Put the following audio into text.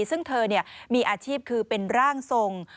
ซึ่งเธอมีอาชีพคือเป็นร่างทรง